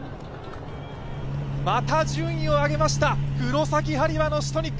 また順位を上げました、黒崎播磨のシトニック。